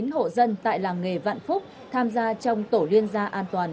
chín hộ dân tại làng nghề vạn phúc tham gia trong tổ liên gia an toàn